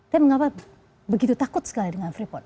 tapi mengapa begitu takut sekali dengan freeport